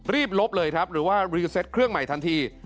ลบเลยครับหรือว่ารีเซตเครื่องใหม่ทันที